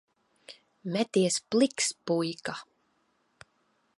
Meties pliks, puika.